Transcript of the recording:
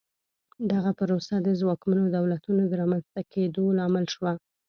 دغه پروسه د ځواکمنو دولتونو د رامنځته کېدو لامل شوه.